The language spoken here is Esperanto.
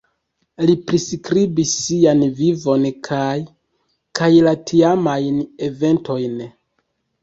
Li priskribis sian vivon kaj kaj la tiamajn eventojn.